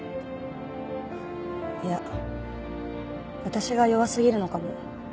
いや私が弱すぎるのかも。